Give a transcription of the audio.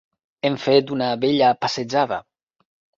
Hem fet una bella passejada.